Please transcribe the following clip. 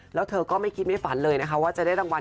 แล้วเธอก็ไม่คิดไม่ฝันเลยนะคะว่าจะได้รางวัล